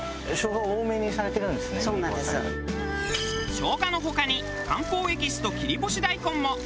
生姜の他に漢方エキスと切り干し大根も。